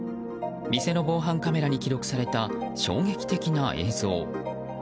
店の防犯カメラに記録された衝撃的な映像。